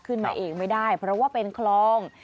ขึ้นมาเองไม่ได้เพราะว่าเป็นคลอง